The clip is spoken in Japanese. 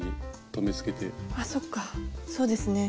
あっそっかそうですね。